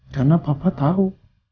karena papa tau